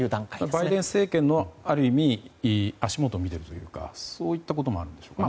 バイデン政権のある意味足元を見ているということもあるでしょうか。